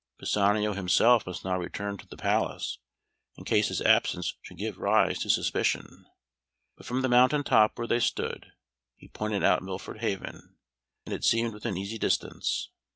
Pisanio himself must now return to the palace, in case his absence should give rise to suspicion, but from the mountain top where they stood he pointed out Milford Haven, and it seemed within easy distance.